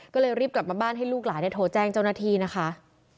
ก็เลยรีบกลับมาบ้านให้ลูกหลานโทรแจ้งเจ้าหน้าที่นะคะ